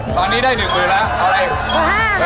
ตอนนี้ได้หนึ่งหมื่นครับ